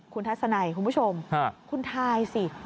คุณทัศนัยคุณผู้ชมคุณทายสิ